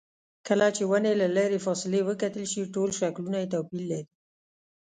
کله چې ونې له لرې فاصلې وکتل شي ټول شکلونه یې توپیر لري.